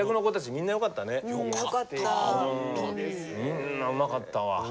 みんなうまかったわ。